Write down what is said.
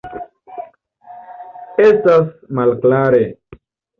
Estas malklare.